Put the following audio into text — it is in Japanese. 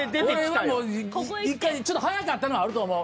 俺はもう１回ちょっと速かったのはあると思う。